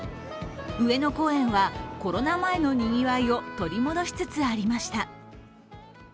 上野公園はコロナ前のにぎわいを取り戻しつつありました。